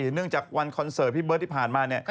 เนื่องจากวันคอนเสิร์ตพี่เบิร์ตที่ผ่านมา